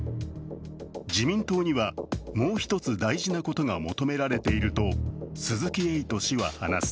自民党にはもう一つ、大事なことが求められていると鈴木エイト氏は話す。